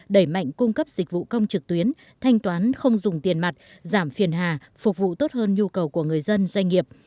đẩy mạnh cung cấp dịch vụ công trực tuyến thanh toán không dùng tiền mặt giảm phiền hà phục vụ tốt hơn nhu cầu của người dân doanh nghiệp